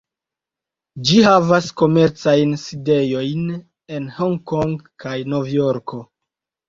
Ĝi havas komercajn sidejojn en Hong-Kong kaj Novjorko.